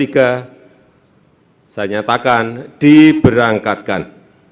saya nyatakan diberangkatkan